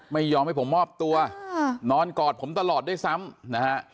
ไม่ยอมให้ผมมอบตัวนอนกอดผมตลอดด้วยซ้ำนะฮะ